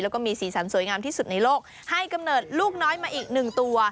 แล้วก็มีสีสันสวยงามที่สุดในโลกให้กำเนิดลูกน้อยมาอีกหนึ่งตัว